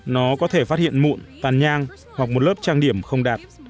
nó có thể phát hiện mụn tàn nhang hoặc một lớp trang điểm không đạt